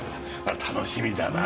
楽しみだな。